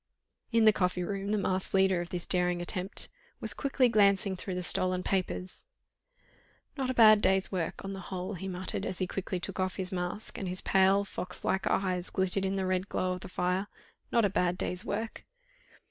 In the coffee room the masked leader of this daring attempt was quickly glancing through the stolen papers. "Not a bad day's work on the whole," he muttered, as he quietly took off his mask, and his pale, fox like eyes glittered in the red glow of the fire. "Not a bad day's work."